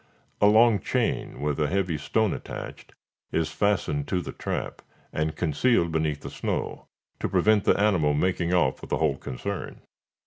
A long chain, with a heavy stone attached, is fastened to the trap, and concealed beneath the snow, to prevent the animal making off with the whole concern.